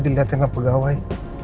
dilihatin oleh pegawai